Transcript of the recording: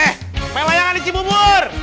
eh melayangkan cibubur